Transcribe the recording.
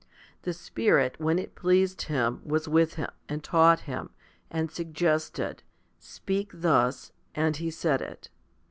The Spirit, when it pleased Him, was with him, and taught him, and suggested, " Speak thus," and he said it.